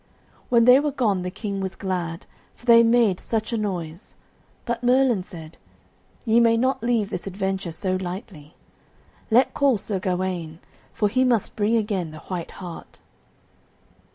When they were gone the King was glad, for they made such a noise, but Merlin said, "Ye may not leave this adventure so lightly. Let call Sir Gawaine, for he must bring again the white hart."